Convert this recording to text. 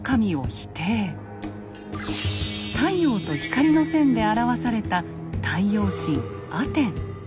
太陽と光の線で表された太陽神アテン。